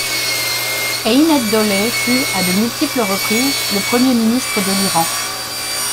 Ein-ed-Dowleh fut, à de multiples reprises, le premier Ministre de l'Iran.